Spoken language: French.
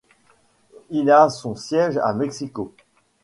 Il a son siège à Mexico.